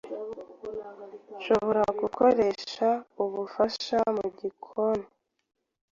Nshobora gukoresha ubufasha mugikoni.